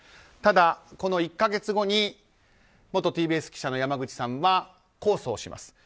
ただ、この１か月後に元ＴＢＳ記者の山口さんは控訴をします。